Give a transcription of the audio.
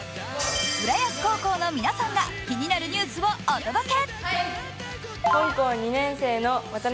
浦安高校の皆さんが気になるニュースをお届け。